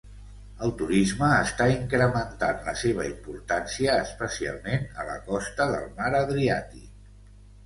El turisme està incrementant la seva importància, especialment a la costa del Mar Adriàtic.